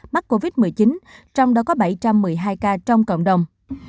mắc covid một mươi chín trong đó có bảy trăm một mươi hai ca trong cộng đồng